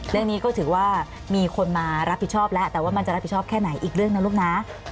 เรื่องนี้ก็ถือว่ามีคนมารับผิดชอบแล้วแต่ว่ามันจะรับผิดชอบแค่ไหนอีกเรื่องนะลูกนะ